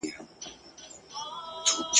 په لړمانو په مارانو کي به شپې تېروي !.